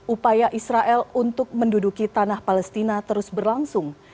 upaya israel untuk menduduki tanah palestina terus berlangsung